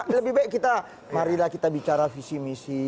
lebih baik kita marilah kita bicara visi misi